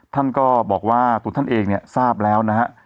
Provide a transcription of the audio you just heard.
ท่านก็บอกว่าตัวท่านเองเนี่ยทราบแล้วนะฮะ